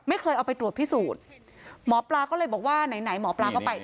ไม่เคยเอาไปตรวจพิสูจน์หมอปลาก็เลยบอกว่าไหนไหนหมอปลาก็ไป